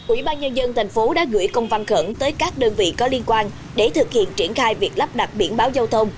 ủy ban nhân dân thành phố đã gửi công văn khẩn tới các đơn vị có liên quan để thực hiện triển khai việc lắp đặt biển báo giao thông